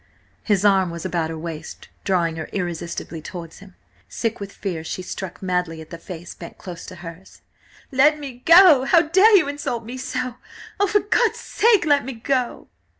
His arm was about her waist, drawing her irresistibly towards him. Sick with fear, she struck madly at the face bent close to hers. "Let me go! How dare you insult me so? Oh, for God's sake let me go!"